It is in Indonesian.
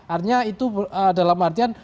artinya itu dalam artian